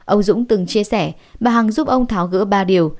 ông dũng từng chia sẻ bà hằng giúp ông tháo gỡ ba điều